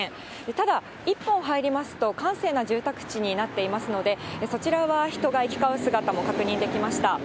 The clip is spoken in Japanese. ただ、一本入りますと、閑静な住宅地になっていますので、そちらは人が行き交う姿も確認できました。